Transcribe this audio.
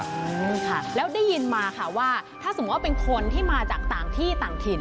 อืมค่ะแล้วได้ยินมาค่ะว่าถ้าสมมุติว่าเป็นคนที่มาจากต่างที่ต่างถิ่น